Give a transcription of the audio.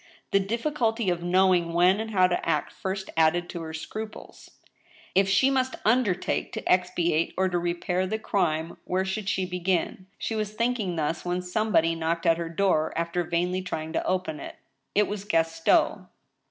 The difficulty of knowing when and how to act first added to her scniples. If she must undertake to expiate or to repair the crime, where should she begin ? She was thinking thus, when somebody knocked at her door, after vainly trying to open it. It was Gaston.